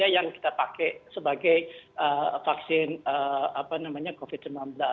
yang kita pakai sebagai vaksin covid sembilan belas